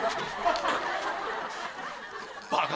バカ！